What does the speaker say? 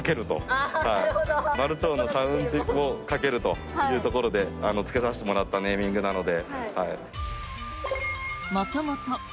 「まるちょうの社運を賭ける」というところで付けさせてもらったネーミングなので。